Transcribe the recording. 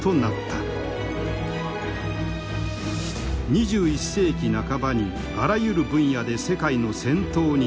「２１世紀半ばにあらゆる分野で世界の先頭に立つ」。